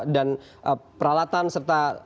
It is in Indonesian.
dan peralatan serta